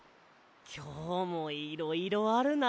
きょうもいろいろあるな。